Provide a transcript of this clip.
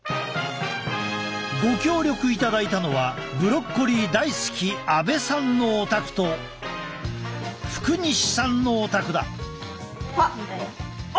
ご協力いただいたのはブロッコリー大好き阿部さんのお宅と福西さんのお宅だ。